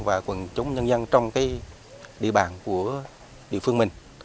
và quần chúng nhân dân trong địa bàn của địa phương mình